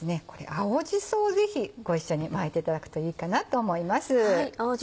青じそをぜひご一緒に巻いていただくといいかなと思います。